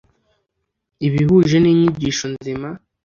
ibihuje n inyigisho nzima